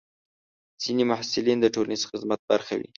ځینې محصلین د ټولنیز خدمت برخه وي.